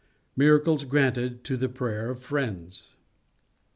MIRACLES GRANTED TO THE PRAYER OF FRIENDS.